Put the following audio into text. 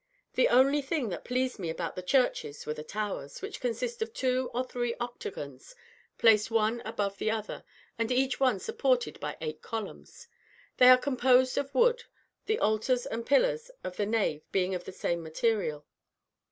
The only thing that pleased me about the churches were the towers, which consist of two or three octagons, placed one above the other, and each one supported by eight columns. They are composed of wood, the altars and pillars of the nave being of the same material.